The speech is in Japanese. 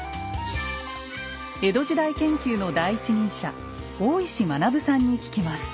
江戸時代研究の第一人者大石学さんに聞きます。